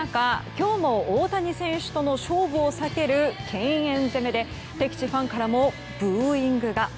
今日も大谷選手との勝負を避ける敬遠攻めで敵地ファンからもブーイングが。